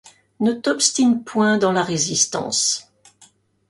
Ne t’obstine point dans la résistance.